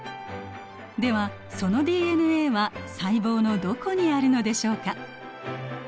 ではそのＤＮＡは細胞のどこにあるのでしょうか？